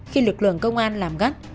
khi lực lượng công an làm gắt